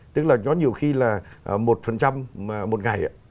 tức là nó nhiều khi là một một ngày